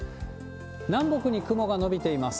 南北に雲が伸びています。